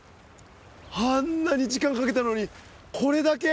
あんなに時間かけたのにこれだけ？